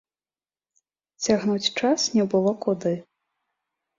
Цягнуць час не было куды.